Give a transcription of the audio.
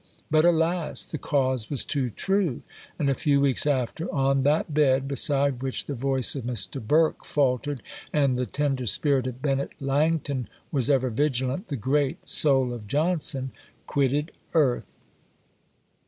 But, alas! the cause was too true; and, a few weeks after, on that bed, beside which the voice of Mr. Burke faltered, and the tender spirit of Benett Langton was ever vigilant, the great soul of Johnson quitted earth.